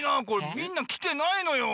みんなきてないのよ。